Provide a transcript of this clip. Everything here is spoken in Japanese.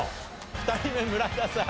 ２人目村田さん